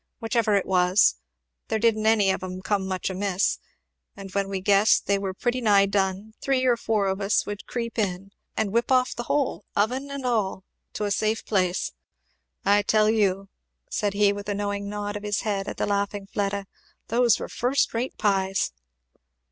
whichever it was there didn't any of 'em come much amiss and when we guessed they were pretty nigh done, three or four of us would creep in and whip off the whole oven and all! to a safe place. I tell you," said he with a knowing nod of his head at the laughing Fleda, "those were first rate pies!"